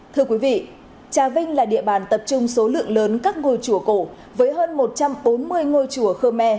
thưa quý vị trà vinh là địa bàn tập trung số lượng lớn các ngôi chùa cổ với hơn một trăm bốn mươi ngôi chùa khơ me